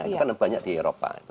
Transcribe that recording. itu kan banyak di eropa